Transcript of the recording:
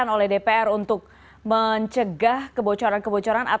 karena kalau yang kai mendapat perubahan tanda yang terdangkan